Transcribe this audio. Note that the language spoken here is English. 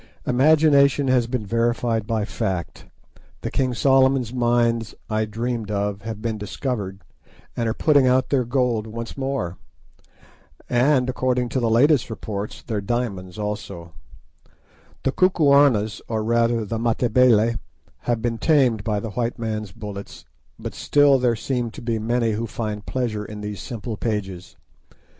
Imagination has been verified by fact; the King Solomon's Mines I dreamed of have been discovered, and are putting out their gold once more, and, according to the latest reports, their diamonds also; the Kukuanas or, rather, the Matabele, have been tamed by the white man's bullets, but still there seem to be many who find pleasure in these simple pages.